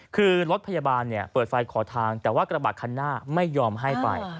คือรถพยาบาลเปิดไฟขอทางแต่ว่ากระบะคันหน้าไม่ยอมให้ไป